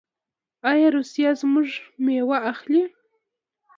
آیا روسیه زموږ میوه اخلي؟